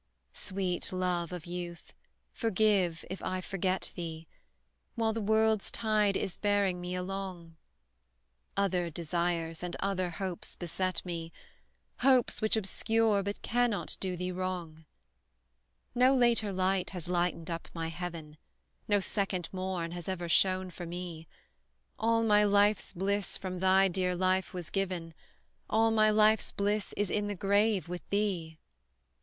Sweet Love of youth, forgive, if I forget thee, While the world's tide is bearing me along; Other desires and other hopes beset me, Hopes which obscure, but cannot do thee wrong! No later light has lightened up my heaven, No second morn has ever shone for me; All my life's bliss from thy dear life was given, All my life's bliss is in the grave with thee.